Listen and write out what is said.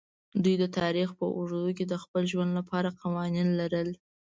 دوی د تاریخ په اوږدو کې د خپل ژوند لپاره قوانین لرل.